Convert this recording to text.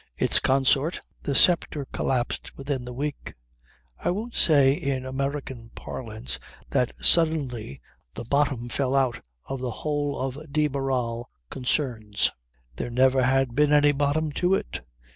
Its consort The Sceptre collapsed within the week. I won't say in American parlance that suddenly the bottom fell out of the whole of de Barral concerns. There never had been any bottom to it.